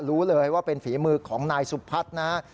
รู้เลยว่าเป็นฝีมือของนายสุพัฒน์นะฮะ